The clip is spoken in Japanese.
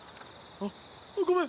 あっごめん！